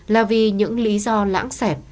là vì những lý do lãng xẻ